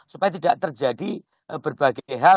supaya tidak terjadi berbagai hal